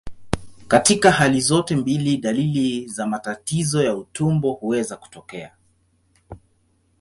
Katika hali zote mbili, dalili za matatizo ya utumbo huweza kutokea.